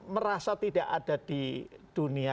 merasa tidak ada di dunia